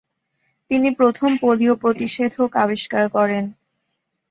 তিনি প্রথম পোলিও প্রতিষেধক আবিষ্কার করেন।